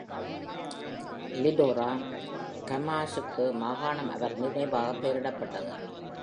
Eliodoro Camacho மாகாணம் அவர் நினைவாகப் பெயரிடப்பட்டது.